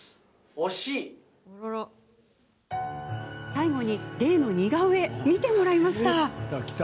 最後に例の似顔絵見てもらいました。